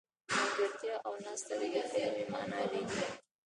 ملګرتیا او ناسته د دې کلمې معناوې دي.